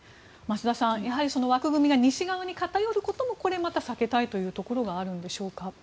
増田さん、やはり枠組みが西側に偏ることもこれまた避けたいというところがあるのでしょうか。